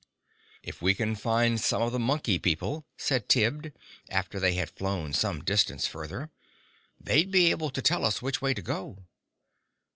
"If we can find some of the Monkey People," said Tibbs, after they had flown some distance further, "they'd be able to tell us which way to go."